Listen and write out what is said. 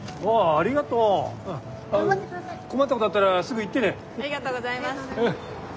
ありがとうございます。